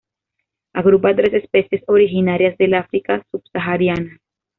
Agrupa a tres especies originarias del África subsahariana.